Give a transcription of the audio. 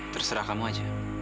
terserah kamu aja